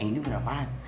yang ini berapaan